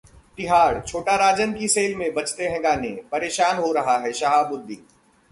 तिहाड़ः छोटा राजन की सेल में बजते हैं गाने, परेशान हो रहा है शाहबुद्दीन